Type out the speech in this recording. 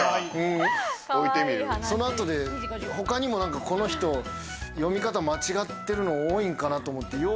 そのあとで他にも何かこの人、読み方が間違ってるの多いんかなと思って、よう